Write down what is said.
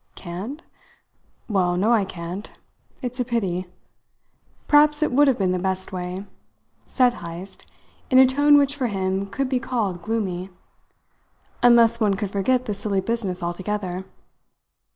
"Can't? Well, no I can't. It's a pity. Perhaps it would have been the best way," said Heyst, in a tone which for him could be called gloomy. "Unless one could forget the silly business altogether."